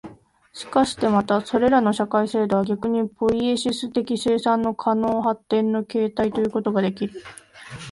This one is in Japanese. しかしてまたそれらの社会制度は逆にポイエシス的生産の可能発展の形態ということができる、